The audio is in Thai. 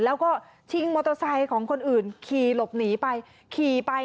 แล้วก็ชิงมอเตอร์ไซค์ของคนอื่นขี่หลบหนีไปขี่ไป